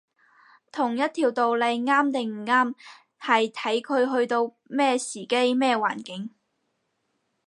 同一條道理啱定唔啱，係睇佢去到咩時機，咩環境